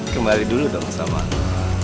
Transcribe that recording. kembali dulu dong sama aku